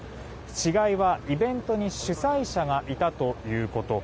違いは、イベントに主催者がいたということ。